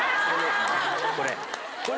これ。